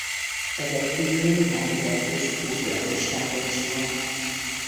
Ezen kívül néhány ezer fős kurd lakossága is van.